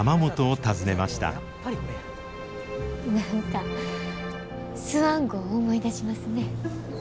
何かスワン号思い出しますね。